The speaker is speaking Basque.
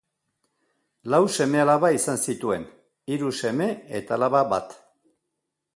Lau seme-alaba izan zituen, hiru seme eta alaba bat.